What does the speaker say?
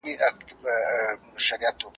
زما یې جهاني قلم د یار په نوم وهلی دی ,